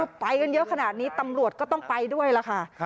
ก็ไปกันเยอะขนาดนี้ตำรวจก็ต้องไปด้วยล่ะค่ะ